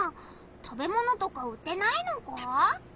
食べ物とか売ってないのか？